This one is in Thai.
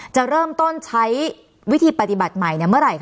จะเริ่มต้นใช้วิธีปฏิบัติใหม่เมื่อไหร่คะ